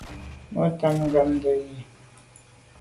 Bo tam ngàmndà yi.